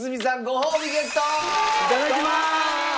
いただきまーす！